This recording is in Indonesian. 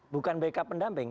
bukan backup pendamping